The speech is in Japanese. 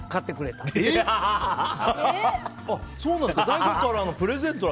大悟からのプレゼント？